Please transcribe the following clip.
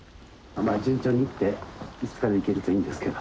まあ順調にいって５日で行けるといいんですけど。